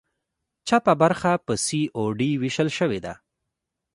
چپه برخه په سي او ډي ویشل شوې ده.